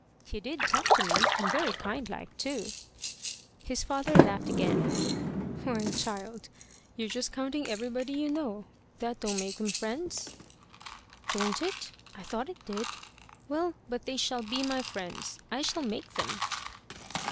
"He did talk to me, and very kindlike too." His father laughed again. "Why, child, you're just counting everybody you know. That don't make 'em friends." "Don't it? I thought it did. Well, but they shall be my friends. I shall make 'em."